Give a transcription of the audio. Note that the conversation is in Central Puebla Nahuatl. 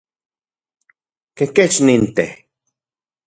¿Kekech nintej?